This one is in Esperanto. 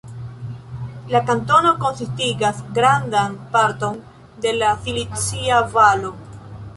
La kantono konsistigas grandan parton de la Silicia Valo.